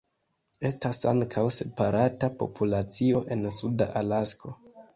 Estas ankaŭ separata populacio en Suda Alasko.